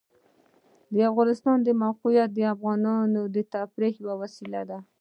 د افغانستان د موقعیت د افغانانو د تفریح یوه وسیله ده.